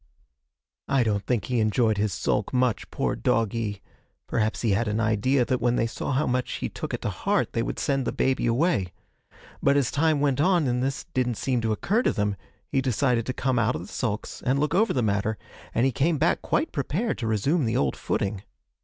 'I don't think he enjoyed his sulk much, poor doggie; perhaps he had an idea that when they saw how much he took it to heart they would send the baby away. But as time went on and this didn't seem to occur to them, he decided to come out of the sulks and look over the matter, and he came back quite prepared to resume the old footing.